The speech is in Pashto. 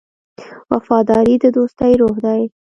وفاداري د دوستۍ روح دی.